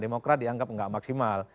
demokrat dianggap gak maksimal